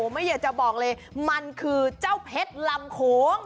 ไม่อยากจะบอกเลยมันคือเจ้าเพชรลำโขง